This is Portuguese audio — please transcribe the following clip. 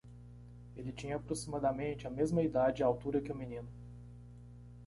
Ele tinha aproximadamente a mesma idade e altura que o menino.